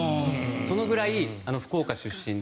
そのぐらい福岡出身で。